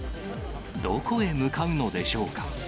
どこへ向かうのでしょうか。